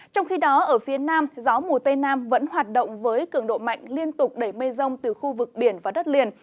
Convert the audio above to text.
trong khi đó ở phía nam gió mùa tây nam vẫn hoạt động với cường độ mạnh liên tục đẩy mây rông từ khu vực biển và đất liền